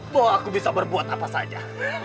bahwa aku bisa berbuat apa saja